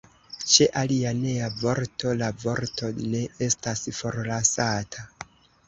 Ĉe alia nea vorto la vorto ne estas forlasata.